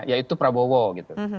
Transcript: ya itu prabowo gitu